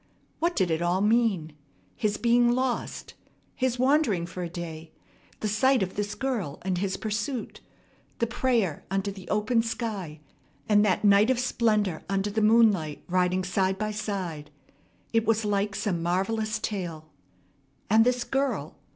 What did it all mean? His being lost, his wandering for a day, the sight of this girl and his pursuit, the prayer under the open sky, and that night of splendor under the moonlight riding side by side. It was like some marvellous tale. And this girl!